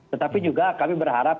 tetapi juga kami berharap